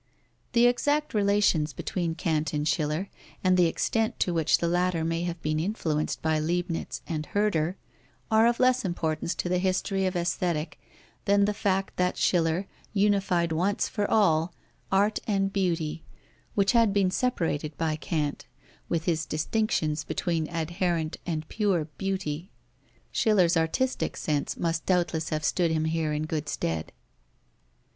The exact relations between Kant and Schiller, and the extent to which the latter may have been influenced by Leibnitz and Herder, are of less importance to the history of Aesthetic than the fact that Schiller unified once for all art and beauty, which had been separated by Kant, with his distinctions between adherent and pure beauty. Schiller's artistic sense must doubtless have stood him here in good stead.